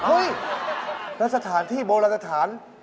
เฮ้ยแล้วสถานที่โบราณสถาน